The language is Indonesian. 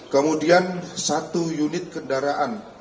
kemudian satu unit kendaraan